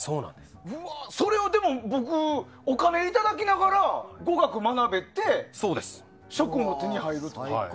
それをでも僕お金いただきながら語学を学べて、職も手に入ると。